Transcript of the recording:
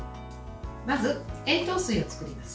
まず、塩糖水を作ります。